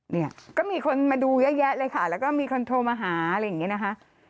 เนี่ยก็มีคนมาดูเยอะแยะเลยค่ะแล้วก็มีคนโทรมาหาอะไรอย่างนี้นะคะ